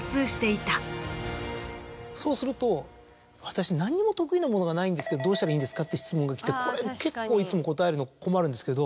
そうすると「私何にも得意なものがないんですけどどうしたらいいんですか？」って質問がきてこれ結構いつも答えるの困るんですけど。